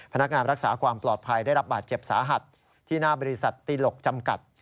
พนักงานรักษาความปลอดภัยได้รับบาดเจ็บสาหัสที่หน้าบริษัทตีหลกจำกัด